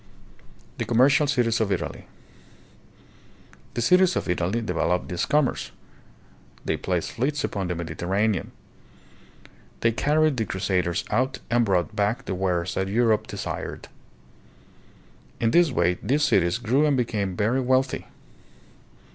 The Commercial Cities of Italy. The cities of Italy de veloped this commerce. They placed fleets upon the Medi terranean. They carried the crusaders out and brought EUROPE AND THE FAR EAST ABOUT 1400 AJ>. 49 back the wares that Europe desired. In this way these cities grew and became very wealthy.